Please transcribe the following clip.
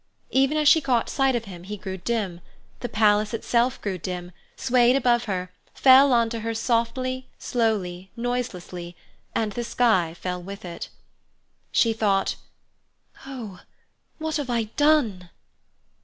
Even as she caught sight of him he grew dim; the palace itself grew dim, swayed above her, fell on to her softly, slowly, noiselessly, and the sky fell with it. She thought: "Oh, what have I done?"